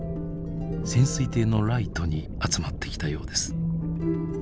潜水艇のライトに集まってきたようです。